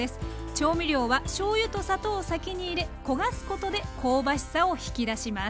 調味料はしょうゆと砂糖を先に入れ焦がすことで香ばしさを引き出します。